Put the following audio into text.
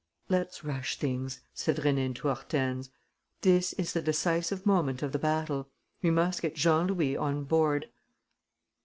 "Let's rush things," said Rénine to Hortense. "This is the decisive moment of the battle. We must get Jean Louis on board."